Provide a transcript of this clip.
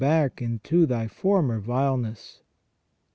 317 back into thy former vileness."